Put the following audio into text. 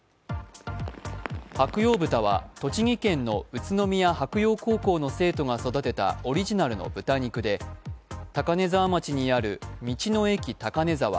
白楊豚は栃木県の宇都宮白楊高校の生徒が育てたオリジナルの豚肉で高根沢町にある道の駅たかねざわ